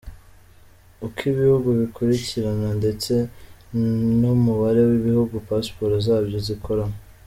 Uko Ibihugu bikurikirana ndetse n’umubare w’ibihugu passports zabyo zikoramo.